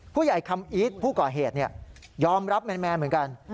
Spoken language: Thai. คำอีทผู้ก่อเหตุยอมรับแมนเหมือนกัน